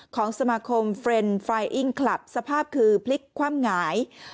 ของสมาคมเฟรนด์ไฟอิ้งคลับสภาพคือพลิกคว่ำหงาย